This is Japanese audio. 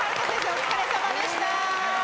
お疲れさまでした。